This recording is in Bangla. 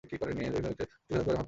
কিছু ভিতরে ঢুকে থাকতে পারে ভাবছো?